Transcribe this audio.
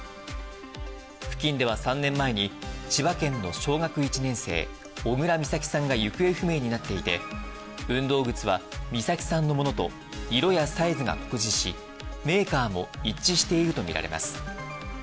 付近では３年前に、千葉県の小学１年生、小倉美咲さんが行方不明になっていて、運動靴は美咲さんのものと色やサイズが酷似し、メーカーも一致していると見られます。